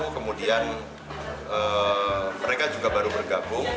kemudian mereka juga baru bergabung